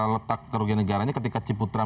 letak kerugian negaranya ketika ciputra